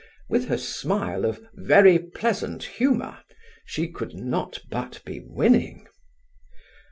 With her smile of "very pleasant humour", she could not but be winning.